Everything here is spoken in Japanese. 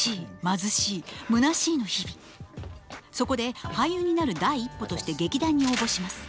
そこで俳優になる第一歩として劇団に応募します。